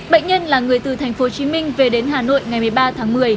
bệnh nhân là người từ tp hcm về đến hà nội ngày một mươi ba tháng một mươi